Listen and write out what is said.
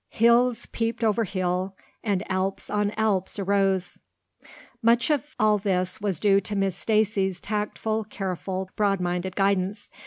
"Hills peeped o'er hill and Alps on Alps arose." Much of all this was due to Miss Stacy's tactful, careful, broadminded guidance.